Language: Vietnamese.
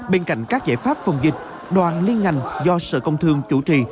bên cạnh các giải pháp phòng dịch đoàn liên ngành do sở công thương chủ trì